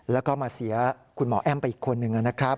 แล้วก็มาเสียคุณหมอแอ้มไปอีกคนหนึ่งนะครับ